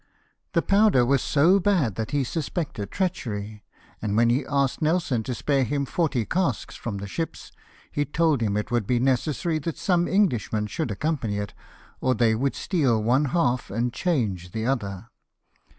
The powder was so bad that he suspected treachery, and when he asked Nelson to spare him forty casks from the ships, he told him it would be necessary that some Englishmen should accompany it, or they would steal one half and change the other.